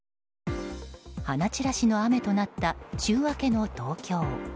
花散らしの雨となった週明けの東京。